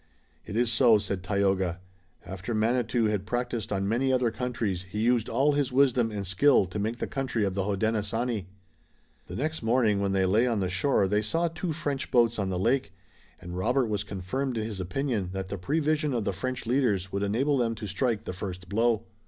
"It is so," said Tayoga. "After Manitou had practiced on many other countries he used all his wisdom and skill to make the country of the Hodenosaunee." The next morning when they lay on the shore they saw two French boats on the lake, and Robert was confirmed in his opinion that the prevision of the French leaders would enable them to strike the first blow.